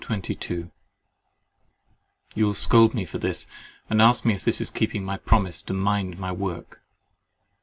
—You will scold me for this, and ask me if this is keeping my promise to mind my work.